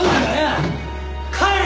帰れ。